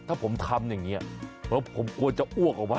ถ้าผมทำอย่างนี้แล้วผมกลัวจะอ้วกออกมา